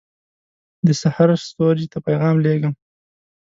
دسحرستوري ته پیغام لېږم